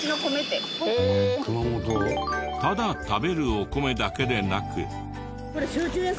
ただ食べるお米だけでなく。